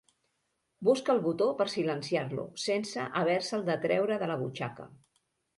Busca el botó per silenciar-lo sense haver-se'l de treure de la butxaca.